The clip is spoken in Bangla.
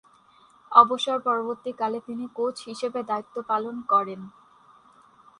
অবসর পরবর্তীকালে তিনি কোচ হিসেবে দায়িত্ব পালন করেন।